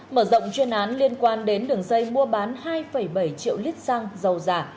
mở rộng chuyên án liên quan đến đường dây mua bán hai bảy triệu lít xăng dầu giả